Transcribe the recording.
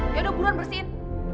yaudah gue lan bersihin